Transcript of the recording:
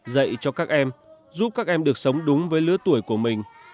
dạy cho các em giúp các em được sống đúng với lứa tuổi của mình